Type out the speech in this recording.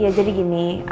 iya jadi gini